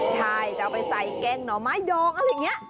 ใช่จะเอาไปใส่แกงหนอไม้ยองอะไรเงี้ย